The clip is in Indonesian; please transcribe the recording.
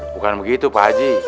bukan begitu pak haji